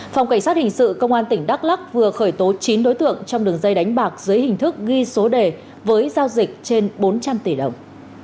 phòng cảnh sát hình sự công an tỉnh đắk lắc vừa khởi tố chín đối tượng trong đường dây đánh bạc dưới hình thức ghi số đề với giao dịch trên bốn trăm linh tỷ đồng